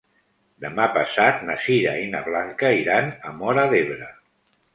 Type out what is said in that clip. Demà passat na Sira i na Blanca iran a Móra d'Ebre.